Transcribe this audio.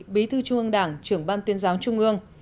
bí thư trung ương đảng trưởng ban tuyên giáo trung ương